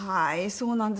そうなんですね。